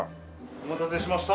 お待たせしました。